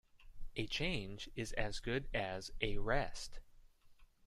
A change is as good as a rest.